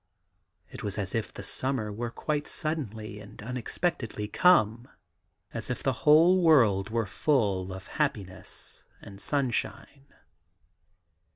It was as if the summer were quite suddenly and unexpectedly come; as if the whole world were full of happiness and sunshine.